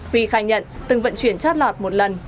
vi khai nhận từng vận chuyển chót lọt một lần